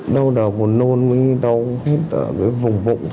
đau đào của nôn đau hết vùng vụng